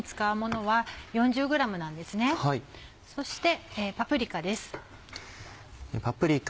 そしてパプリカです。